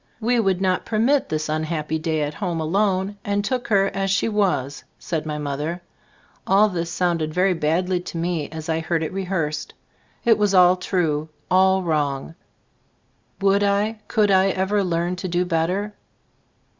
"We would not per mit this unhappy day at home alone, and took her as she was," said my mother. All this sounded very badly to me as I heard it rehearsed. It was all true, all wrong; would I, could I ever learn to do better?